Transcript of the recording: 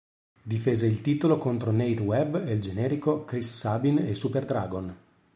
Difese il titolo contro Nate Webb, El Generico, Chris Sabin e Super Dragon.